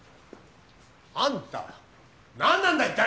あんた何なんだ一体！